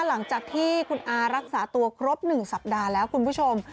หลังจากที่คุณอารักษาตัวครบ๑สัปดาห์แล้วคุณผู้ชม